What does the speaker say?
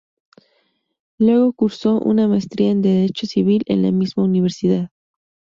Luego cursó una Maestría en Derecho Civil en la misma universidad.